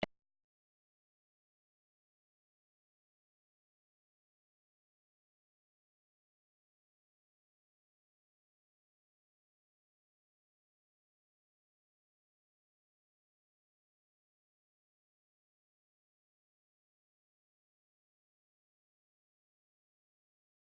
สวัสดีครับ